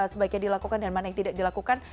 sebaiknya dilakukan dan mana yang tidak dilakukan